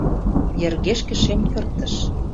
Йыргешке шем тыртыш.